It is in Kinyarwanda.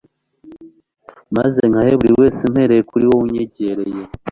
Maze nyahe buri wese mpereye kuri wowe unyegereye.